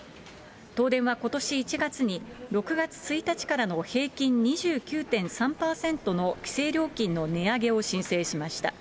東電はことし１月に、６月１日からの平均２９．３％の規制料金の値上げを申請しました。